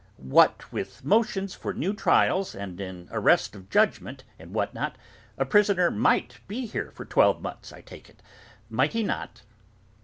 What with motions for new trials, and in arrest of judgment, and what not, a prisoner might be here for twelve months, I take it, might he not?